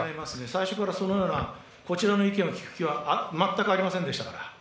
最初からこちらの意見を聞く気は全くありませんでしたから。